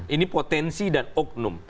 ini potensi dan oknum